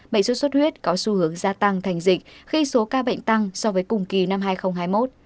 bệnh xuất xuất huyết có xu hướng gia tăng thành dịch khi số ca bệnh tăng so với cùng kỳ năm hai nghìn hai mươi một